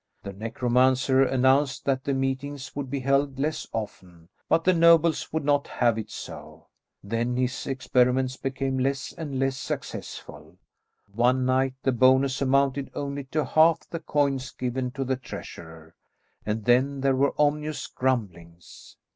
The necromancer announced that the meetings would be held less often, but the nobles would not have it so. Then his experiments became less and less successful. One night the bonus amounted only to half the coins given to the treasurer, and then there were ominous grumblings.